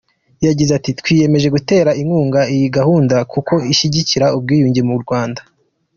Yagize ati “Twiyemeje gutera inkunga iyi gahunda kuko ishyigikira ubwiyunge mu Rwanda.